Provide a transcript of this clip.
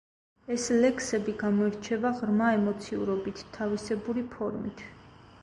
ეს ლექსები გამოირჩევა ღრმა ემოციურობით, თავისებური ფორმით.